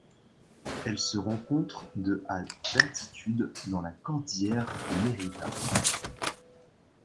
Elle se rencontre de à d'altitude dans la cordillère de Mérida.